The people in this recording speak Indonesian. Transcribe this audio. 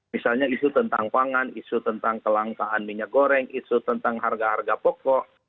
misalnya isu tentang pangan isu tentang kelangkaan minyak goreng isu tentang harga harga pokok